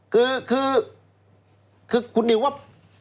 คือคุณนิวว่า